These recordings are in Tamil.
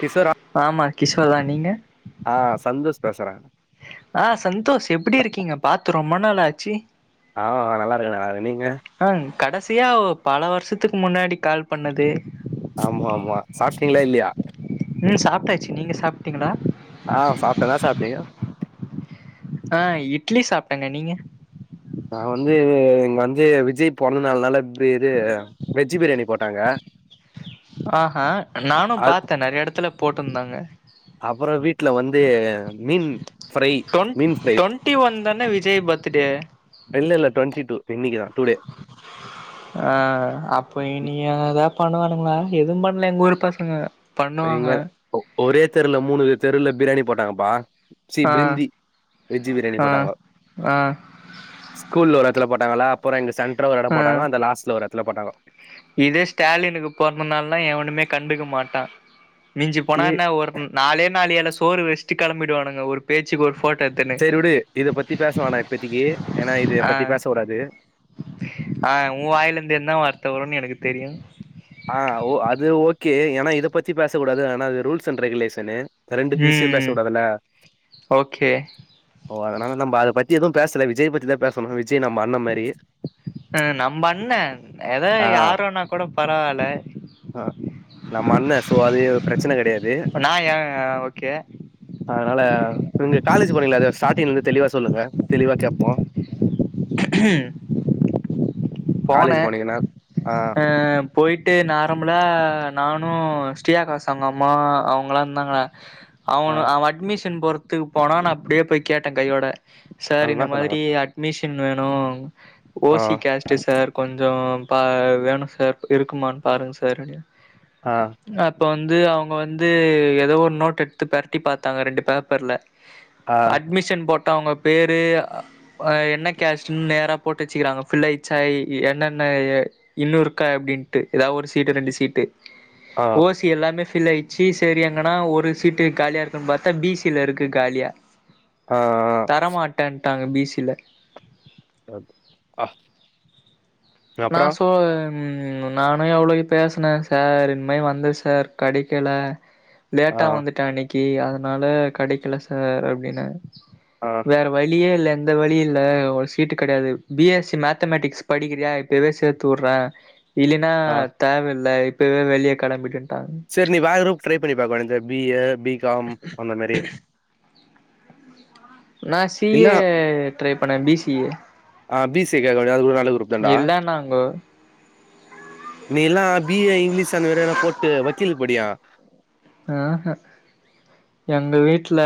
கிசோரா ஆமா கிஷோர் தா நீங்க சந்தோஷ் பேசுறே ஆ சந்தோஷ் எப்டியிருக்கீங்க பாத்து ரொம்ப நாள் ஆச்சு ஆ நல்லாருக்கே நல்லாருக்கே நீங்க ஆ கடைசியா பல வருஷத்துக்கு முன்னாடி கால் பண்ணது ஆமா ஆமா சாப்ட்டீங்ளா இல்லையா ம் சாப்பிட்டாச்சு நீங்க சாப்ட்டிங்களா ஆ சாப்ட்டே நா என்னா சாப்டிங்க ஆ இட்லி சாப்ட்டேங்க நீங்க நா வந்து இங்க வந்து விஜய் பொறந்த நாள்னால இந்த இது வெஜ்ஜு பிரியாணி போட்டாங்க ஆ ஆ நானு அது பாத்தே நெறைய எடத்துல போட்டு இருந்தாங்க அப்றோ வீட்ல வந்து மீன் ஃப்ரை மீன் ஃப்ரை ட்வெண்ட்டி ஒன் தான விஜய் பர்த்டே இல்லல்ல ட்வெண்டி டூ இன்னைக்கு தா டுடே ஆ அப்ப இனி எதாத பண்ணுவானுங்களா எதும் பண்ல எங் ஊர் பசங்க நீங்க பண்ணுவாங்க வேற ஒ ஒரே தெருல மூணு வீதி தெருல பிரியாணி போட்டாங்கப்பா சி ஆ பிரிந்தி வெஜ் பிரியாணி ஆ போட்டாங்கோ ஆ ஸ்கூல்ல ஒரு எடத்துல போட்டாங்கலா அப்பறோ இந்த சென்ட்ரு ஒரு எடோ ஆ போட்டாங்கோ அந்த லாஸ்ட்ல ஒரு எடத்துல போட்டாங்கோ இதே ஸ்டாலினுக்கு பொறந்த நாள்னா எவனுமே கண்டு்க்க மாட்டா மிஞ்சி போனா டே என்ன ஒரு நாலே நாலு எல சோறு வெச்சிட்டு கிளம்பிடுவானுக ஊ பேச்சுக்கு ஒரு போட்டோ எடுத்துணு சேரி விடு இத பத்தி பேச வேனா இப்பத்திக்கு ஏன்னா இத ஆ பத்தி பேச கூடாது ஆ உ வாயில இருந்து என்ன வார்த்த வரும்னு எனக்கு தெரியு ஆ ஓ அது ஓகே ஏனா இதை பத்தி பேசக் கூடாது ஏனா அது ரூல்ஸ் அண்ட் ரெகுலேஷனு ரெண்டு விஷ்யும் பேச ம் கூடாதுல்ல ஓகே ஓ அதனால நம்ப அத பத்தி எதுவும் பேசல விஜய் பத்திதா பேசணும் விஜய் நம்ம அண்ண மாரி ம் நம்ம அண்ண எதோ யாரோனா கூட பரவால ஆ நம்ம அண்ண சோ அது பிரச்சன கெடையாது நா ஏ ஓகே அதுனால நீங்க காலேஜ் போனீங்களே அ அத ஸ்டார்டிங் இருந்து தெளிவா சொல்லுங்க தெளிவா கேப்போ காலேஜ் போனே போனீங்கன்னா ஆ போய்ட்டு நேரம்பலா நானு ஸ்ரீ ஆகாஷ் அவங்க அம்மா அவங்களா இருந்தாங்கடா ஆ அவனு அவ அட்மிஷன் போறத்துக்கு போனா நா அப்டியே போய் கேட்டே கையோட சார் என்ன இந்த சொன்னாங்க? மாதிரி அட்மிஷன் வேணும் ஓ ஆ சி கேஸ்ட் டு சார் கொஞ்சொ பா வேணும் சார் இருக்குமான்னு பாருங்க சார் அப்டின்டு ஆ அப்போ வந்து அவங்க வந்து எதோ ஒரு நோட் எடுத்து பெரட்டி பாத்தாங்க ரெண்டு பேப்பர்ல ஆ அட்மிஷன் போட்டவங்க பேரு என்ன கேஸ்ட்னு நேரா போட்டு வச்சுக்கிறாங்க பில்லாய்ச்சா என்னென்ன இன்னு இருக்கா அப்டின்ட்டு எதாவது ஒரு சீட்டு ரெண்டு சீட்டு ஆ ஓ சி எல்லாமே ஃபில் ஆயிச்சு சரி எங்கன்னா ஒரு சீட்டு காலியா இருக்கான்னு பாத்தா பி சி ல இருக்கு காலியா ச ஆ ஆ சென்டாங்க பீ சி ல அப் நா சோ ம் நானு எவ்ளோவோ பேசுனே சார் இனிமே வந்து சார் கெடக்கல ஆ லேட்டா வந்துட்டே அன்னக்கு அதனால கெடைக்கல சார் அப்டின்னே ஆ வேற வழியே இல்ல எந்த வழி இல்ல ஒரு சீட் கெடையாது பி எஸ்சி மேத்தமெட்டிக்ஸ் படிக்கிறியா இப்பவே சேத்து வுடுறே இல்லின்னா ஆ தேவயில்ல இப்பவே வெளிய கெளம்பிடுன்டாங்க சரி நீ வேற குரூப் ட்ரை பண்ணி பாக்கவேண்டிதானே பி ஏ பி காம் அந்த மாரி நா சி இல்ல ஏ ட்ரை பண்ணே பி சி ஏ ஆ பி சி ஏ கேக்க வேண்டியதா அதுகூட நல்ல குருப் இல்ல நாங்கோ நீ எல்லா பி ஏ இங்கிலீஷ் அந்த மாதிரி எதுனா போட்டு வக்கீலுக்கு படியே ஆ ஹிம் எங்க வீட்ல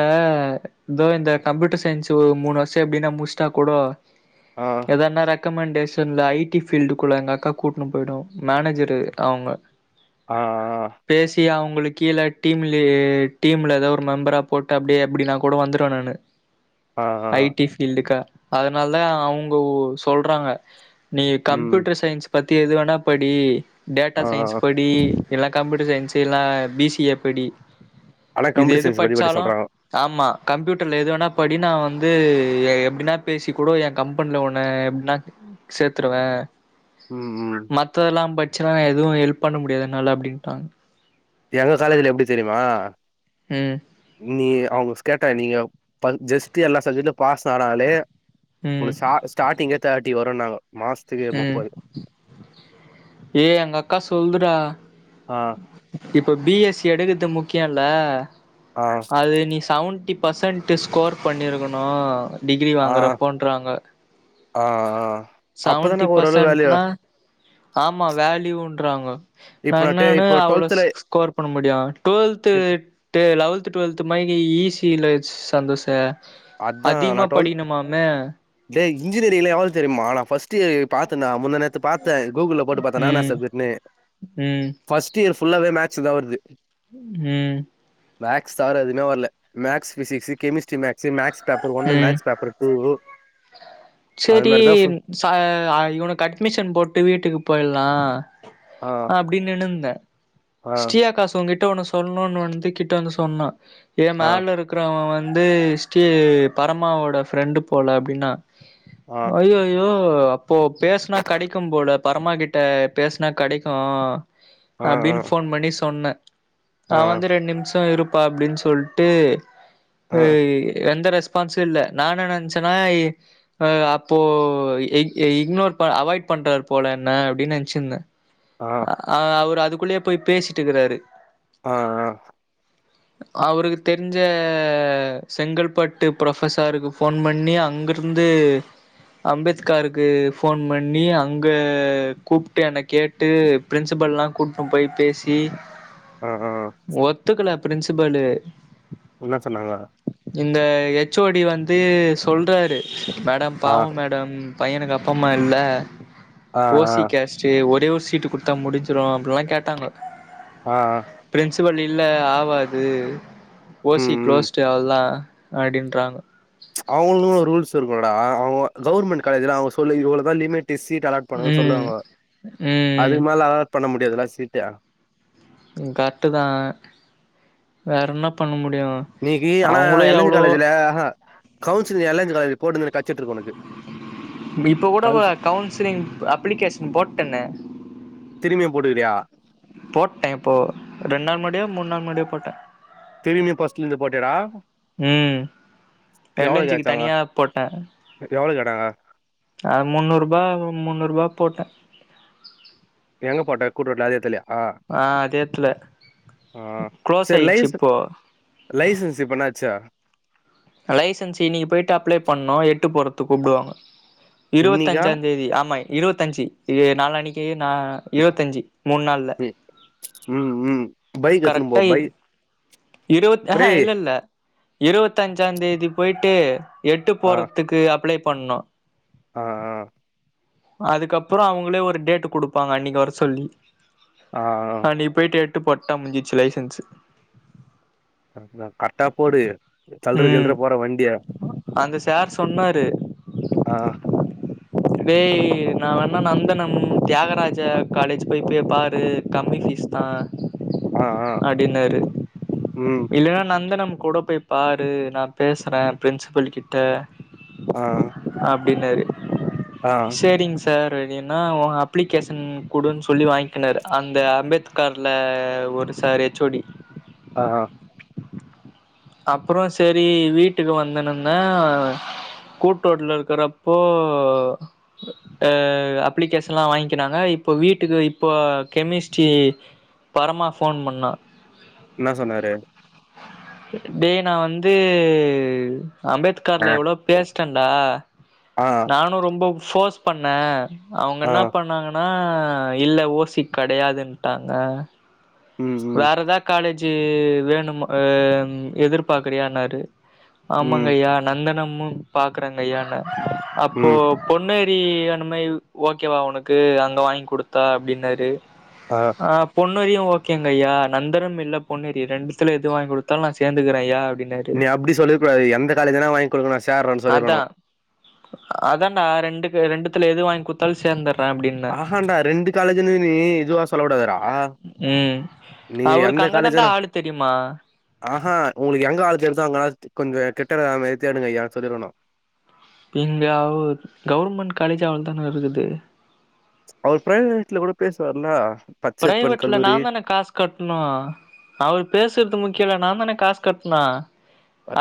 இதோ இந்த கம்ப்யூட்டர் சயின்ஸ் ஒரு மூணு வருஷொ எப்படின்னா முடிச்சிட்டா கூட ஆ ஆ எதன்னா ரெக்கமெண்டேஷன்ல ஐ டி ஃபீல்டுக்குள்ள எங்க அக்கா கூட்னு போய்டு மேனேஜரு அவுங்க அ ஆ பேசி அவுங்களுக் கீழ டீம்ல டீம்ல எதாவது ஒரு மெம்பரா போட்டு அப்டியே அப்டி நா கூட வந்துருவே நானு ஆ ஆ ஆ ஐ டி ஃபீல்டுக்க அதனால தா அவுங்க சொல்றாங்க நீ ம் கம்ப்யூட்டர் சயின்ஸ் பத்தி எது வேணா படி டேட்டா ஆ சயின்ஸ் படி இல்ல கம்ப்யூட்டர் சயின்ஸ் இல்ல பிசிஏ படி ஆனா இது கம்ப்யூட்டர் எது சயின்ஸ் பத்தி படி பச்சாலு சொல்றாங்க ஆமா கம்ப்யூட்ருல எது வேணா படி நா வந்து எப்டினா பேசிக் கூடோ என் கம்பன்ல ஒன்ன எப்புன்னா சேத்துருவே ம் ம் மத்ததுலா பச்சாலா எதுவு ஹெல்ப் பண்ண முடியாது என்னால அப்டின்ட்டாங் எங்க காலேஜ்ல எப்டி தெரிமா ம் நீ அவங்க ஸ் கேட்ட நீங்க ப ஜஸ்ட்டு எல்லா சப்ஜெக்ட்லியு பாஸ் ஆனாலே ம் உனக் சா ஸ்டாட்டிங்கே தேட்டி வருனாங்க மாஸ் ம் ஏ எங்க அக்கா சொல்துறா ஆ இப்ப பிஎஸ்சி எடுக்கர்து முக்கியல்ல ஆ அது நீ சவுண் ன்ட்டி பர்சன்ட்டு ஸ்கோர் பண்ணிருக்கணு டிகிரி ஆ வாங்குறப்போ இன்றாங்க ஆ ஆ சவன்டி அப்பதான ஓரளவு வேல்யூ பர்சன்ட்னா ஆமா வேல்யூன்றாங்க நா இப்போ நான் டெ என்னன்னு இப்போ அவ்ளோ ஸ் ஸ்கோர் பண்ண முடியு டுவெல்த்து இப் டு லவல்த்து டுவல்த்து மாரி ஈசி இல்ல சந்தோசு அதான் அதிமா நான் படிக்கணுமாமே டேய் இன்ஜினியரிங்ல எவ்ளோ தெரிமா நா ஃபஸ்ட்டு பாத்தன்டா முந்தா நேத் து பாத்தே கூகுள்ல போட்டு பாத்தே என்னானா ம் சப்ஜெக்ட் னு ம் ஃபஸ்ட்டு இயர் ஃபுல்லாவே மேக்ஸ் தா வருது ம் மேக்ஸ் தவர எதுமே வல்ல maths physics chemistry maths maths paper ஒன்னு ம் மேக்ஸ் பேப்பர் டூ சரி ச ஆ இவனுக்கு அட்மிஷன் போட்டு வீட்டுக்கு போயில்லா ஆ அப்டே நின்னுர்ந்தே ஆ, ஸ்ரீ ஆகாஷ் உன்கிட்ட ஒன்னு சொல்ணுன் வந்து கிட்ட வந்து சொன்னா ஏ ஆ, மேல இருக்கிறவ வந்து ஶ்ரீ பரமாவோட ஃபிரெண்டு போல அப்டின்னா ஆ, அய்யயோ இப்போ பேஸ்னா கெடைக்கு போல பரமாகிட்ட பேஸ்னா கெடைக்கு ஆ, ஆ, அப்டின் ஃபோன் பண்ணி சொன்னே ஆ, அவே வந்து ரெண்டு நிம்ஷோ இருப்பா அப்டின் சொல்ட்டு ஆ, ஏ எந்த ரெஸ்பான்ஸு இல்ல நா என்ன நெனச்சன்னா ஆ அப்போ எக் இ இக்னோர் அவாய்ட் பண்றாரு போல என்ன அப்டின் நெனைச்சிந்தே ஆ, ஆ அவரு அதுக்குள்ளே போய் பேசிட்டு இருக்குறாரு ஆ ஆ அவுருக்கு தெரிஞ்ச செங்கல்பட்டு புரொஃபசாருக்கு ஃபோன் பண்ணி அங்கிரு வந்து அம்பேத்காருக்கு ஃபோன் பண்ணி அங்க கூப்ட்டு என்ன கேட் டு பிரின்சிபல்லா கூட்னு போய் பேசி ஆ, ஆ. ஒத்துக்கல பிரின்சுபலு என்ன சொன்னாங்க எங்க ஹச் ஓ டி வந்து சொல்றாரு மேடம் ஆ, பாவோ மேடம் பையனுக்கு அப்பா அம்மா இல்ல ஆ, ஓ சி கேஸ்ட் டு ஒரே ஒரு சீட்டு குடுத்தா முடிஞ்சிரு அப்டின்லா கேட்டாங்க ஆ ஆ பிரின்சிபல் இல்ல ஆவாது ஓ ம், சி ம். க்ளோஸ்டு அவ்ளதா அப்டின்றாங்கோ அவுங்களுக்குனு ரூல்ஸ் இருக்குல்லடா அவுங்க கவர்மெண்ட் காலேஜ்ல அவுங்க சொல் இவ்ளதா லிமிட் சீட் அலாட் பண்ணணு ம் சொல்லுவாங்கோ ம் அதுக்கு மேலே அலாட் பண்ண முடியாதுல்ல சீட்டு கர்ட்டுதா வேற என்ன பண்ண முடியு இன்னைக்கி ஆனா அவங்களு எல் என் சி எவ்ளோ காலேஜ்ல ஆஹ் கவுன்சிலிங் எல் என் சி காலேஜ்ல போட்ருந்தா கெடச்சிட்டுருக்கு இப்ப கூட ப கவுன்சிலிங் அப்ளிகேஷன் போட்டனே திரும்பியு போட்டுக்கிறியா போட்டே இப்போ ரெண்டு நாள் முன்னாடியோ மூணு நாள் முன்னாடியோ போட்டே திரும்பியு ஃபஸ்ட்ல இருந்து போட்டியாடா ம் எல் எவ்வளோ என் ஜி க்கு கேச்சாங்க தனியா போட்டே எவ்ளோ கேட்டாங்க ஆ முன்னூறு ரூபா முன்னூறு ரூபா போட்டே எங்க போட்ட கூட்டு ரோட்ல அதே எடத்தில்லயா ஆ அதே எத்துல ஆ குளோஸ் சரி ஆயிருச்சு லைச இப்போ லைசன்ஸ் இப்ப என்னாச்சு லைசன்ஸ் இன்னைக்கி போயிட்டு அப்ளே பண்ணோ எட்டு போறதுக்கு கூப்புடுவாங்க இன்னிக்கா இருவத்தஞ்சா தேதி ஆமா இருபத்தஞ்சு இது நாளான்னைக்கி நா இருத்தஞ்சு மூணு நாள்ல ம் ம் ம் பைக் எத்துன்னு போ கரெக்டா பை இருபத் ஆ ஹா டேய் இல்ல இல்ல இருவத்தஞ்சா தேதி போயிட்டு எட்டு போறதுக்கு அப்ளே பண்ணோ ஆ ஆ அதுக்கப்றோ அவுங்களே ஒரு டேட் குடுப்பாங்க அன்னைக்கி வர சொல்லி ஆ ஆ ஆ அன்னைக் போய்ட்டு எட்டு போட்டா முஞ்சுசு லைசென்ஸ்சு கரெட்டுதா கரெட்டா போடு தல்ற ம் கில்ற போற வண்டிய அந்த சார் சொன்னாரு ஆ ஹ ஏய் நா வேணா நந்தனம் தியாகராஜா காலேஜ் போய் போய் பாரு கம்மி ஃபீஸ் தா ஆ ஆ அப்டின்னாரு ம் இல்லன்னா நந்தனம் கூட போய் பாரு நா பேசுறே பிரின்சிபல் கிட்ட ஆ அப்டின்னாரு ஆ செரிங்க சார் அப்டினா உங்க அப்ளிகேஷன் குடுனு சொல்லி வாங்கிக்கினாரு அந்த அம்பேத் கார்ல ஒரு சார் ஹச் ஓ டி ஆ ஆ அப்றோ செரி வீட்டுக்கு வந்தனும்மே கூட்ரோட்ல இருக்கறப்போ அ அப்ளிகேஷன்லா வாங்கிக்கினாங்க இப்போ வீட்டுக்கு இப்போ கெமிஸ்ட்ரி பரமா ஃபோன் பண்ணா என்ன சொன்னாரு டே நா வந்து அம்பேத் ஆ கார்ல எவ்ளோ பேஸ்ட்டேன்டா ஆ நானு ரொம்ப ஃபோர்ஸ் பண்ணே அவங்க ஆ என்ன பண்ணாங்கன்னா இல்ல ஓசி கெடையாதுட்டாங்க ம் ம் வேற ஏதா காலேஜு வேணும் அ எதிர்பாக்கிறீயானாரு ஆமாங்க ம் ஐயா நந்தனமும் பாக்றேங்க ஐயா அப்போ ம் பொன்னேரி அந்த மாரி ஓகேவா உனக்கு அங்க வாங்கி குடுத்தா அப்டின்னாரு ஆ ஆ பொன்னெரியு ஓக் ங்கய்யா நந்தரம் இல்ல பொன்னேரி ரெண்டத்துல எது வாங்கி குடுத்தாலு நா சேர்ந்துக்கிறேயா அப்டின்னாரு நீ அப்டி சொல்லிருக்க கூடாது எந்த காலேஜ் னா வாங்கி குடுங்க நா சேர்ரன்னு சொல்லிருக்கணு அதாண்டா ரெண்டுக்கு ரெண்டத்துல எது வாங்கி குடுத்தாலு சேந்தரு ஆஹான்டா ரெண்டு காலேஜ்லயுமே இதுவா சொல்லக்கூடாது டா ம் அவருக்கு அங்க தண்டா ஆளு தெரியுமா ஆஹா ஒங்களுக்கு எங்க ஆளு தெரிதோ அங்க ஆளு கொஞ்ச கிட்டற மாதிரி தேடுங்கையானு சொல்லிருக்கணு இங்க அவ் கவுர்மண்ட் காலேஜு அவ்வள தான இருக்குது அவர் பிரைவேட்ல கூட பேசுவார்லா பிரைவேட்ல நா தான காசு கட்னு அவர் பேசுறது முக்கியல்ல நா தான காசு கட்னு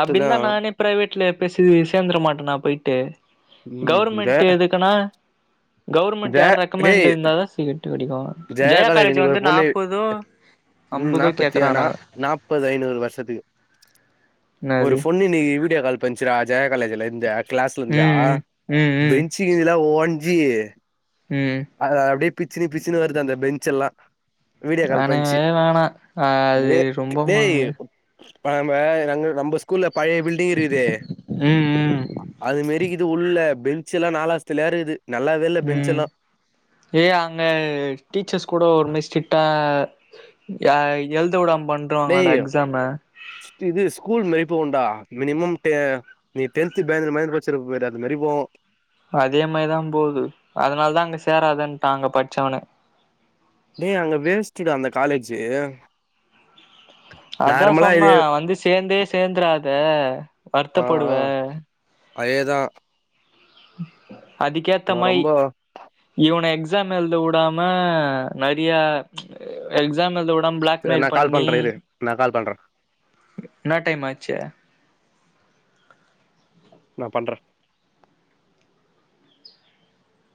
அப்டி இருந்தா நானே பிரைவேட்ல பேசி சேந்துர மாட்டனா போய்ட்டு ம் ஜெ கவுர்மண்ட்டு எதுக்குனா கவுர்மண்ட்டு ஜெ யாரு டேய் ரெக்கமண்ட்டு இருந்தா தா சீட்டு கெடைக்கு அங்க ஜெயா காலேஜ்ல இன்னைக்கு ஒரு பொண்ணு ம் அம்பதோ நாப்பத்தியானா கேக்குறானுங்க நாப்பது ஐநூறு வருஷத்துக்கு என்னாது இன்னக்கி வீடியோ கால் பண்ச்சு டா ஜெயா காலேஜ்ல இருந்து கிளாஸ்ல இருந்து ம் ம் ம் ம் பென்ச் இகுதுல ஓன்ஜு ம் அது அப்டியே பிச்சினு பிச்சினு வருது அந்த பென்ச்சல்லா வீடியோ கால் பன்ச்சு வேணவே வேணா அது வே ரொம்ப ம டேய் இப்ப நம்ம ரங்க நம்ம ஸ்கூல்ல பழைய பில்டிங் இருக்குது ம் ம் அது மாரி இக்குது உள்ள பென்சல்லா நாளாஸ்துலையா இருக்குது நல்லாவே இல்ல ம் பென்சல்லா ஏ அங்க டீச்சர்ஸ் கூட ஒரு மாரி ஸ்ரிட்டா யா எழுத விடாம பண்றவாங்கலாடா டேய் எக்ஸாம இது ஸ்கூல் மதிப்பு உண்டா மினிமம் டெ நீ டென்த் பேந்ர பேந்ர படுச்சுருப்ப பாரு அது மாரி போகு அதே மாரிதா போகுது அதுனால தா அங்க சேராதன்ட்டா அங்க பச்சவனே டேய் அங்க வேஸ்ட்டு டா அந்த காலேஜு அதா நார்மலா சொன்னா இது வந்து சேந்தே சேந்துராத வருத்தப்படுவ அயேதா அதுக்கேத்த மாயி ரொம்ப இவன எக்ஸாம் எழுத விடாம நெறையா எக்ஸாம் எழுத வி டாம் நா பிளாக்மெயில் கால் பண்ணி பண்றே இரு நா கால் பண்றே என்னா டைம் ஆச்சு நா பண்றே